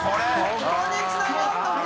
ここにつながるのか！